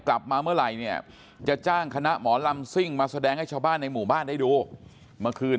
กลับมาเมื่อไหร่เนี่ยจะจ้างคณะหมอลำซิ่งมาแสดงให้ชาวบ้านในหมู่บ้านได้ดูเมื่อคืน